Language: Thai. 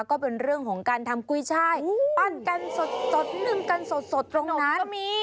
ก็เป็นเรื่องของการทำกุ้ยช่ายปั้นกันสดนึ่งกันสดตรงนั้น